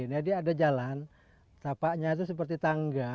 jadi ada jalan tapaknya itu seperti tangga